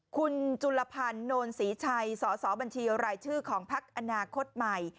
คุณจุลพันธ์โนนศรีชัยสสบัญชีรายชื่อของพักอนาคตใหม่